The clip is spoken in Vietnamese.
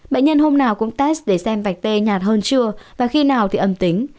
bệnh nhân hôm nào cũng test để xem vạch tê nhạt hơn trưa và khi nào thì âm tính